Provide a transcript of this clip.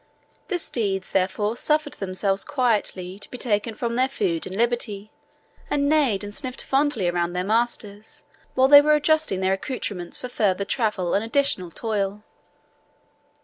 The steeds, therefore, suffered themselves quietly to be taken from their food and liberty, and neighed and snuffled fondly around their masters, while they were adjusting their accoutrements for further travel and additional toil.